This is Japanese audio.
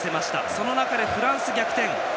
その中でフランス逆転。